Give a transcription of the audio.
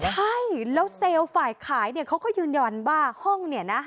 ใช่แล้วเซลล์ฝ่ายขายเนี่ยเขาก็ยืนยันว่าห้องเนี่ยนะ